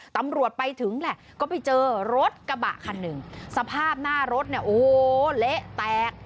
ตำรวจไปถึงแหละก็ไปเจอรถกระบะคันหนึ่งสภาพหน้ารถเนี่ยโอ้โหเละแตก